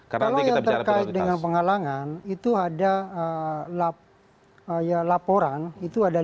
kalau yang terkait dengan penghalangan itu ada laporan itu ada dua